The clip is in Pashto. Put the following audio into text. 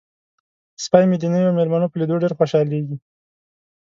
سپی مې د نویو میلمنو په لیدو ډیر خوشحالیږي.